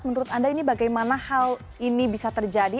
menurut anda ini bagaimana hal ini bisa terjadi